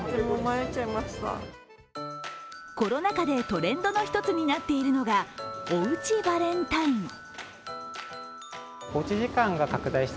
コロナ禍でトレンドの一つになっているのが、おうちバレンタイン。